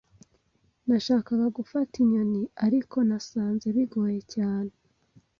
Nashakaga gufata inyoni, ariko nasanze bigoye cyane.